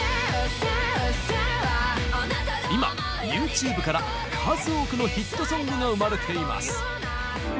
今ＹｏｕＴｕｂｅから数多くのヒットソングが生まれています。